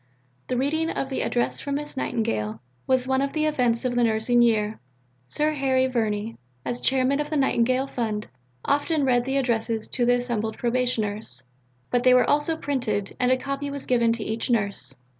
'" The reading of the "Address from Miss Nightingale" was one of the events of the nursing year. Sir Harry Verney, as chairman of the Nightingale Fund, often read the addresses to the assembled Probationers, but they were also printed, and a copy was given to each nurse.